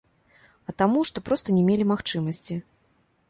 А таму, што проста не мелі магчымасці.